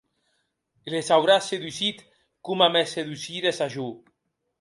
Les auràs sedusit coma me sedusires a jo.